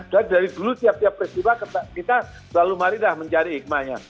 dan dari dulu tiap tiap peristiwa kita selalu marilah mencari hikmahnya